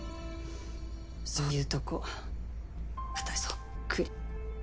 そういうとこ私とそっくり。